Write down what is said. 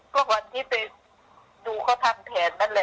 ก็วันที่ไปดูเขาทำแผนนั่นแหละ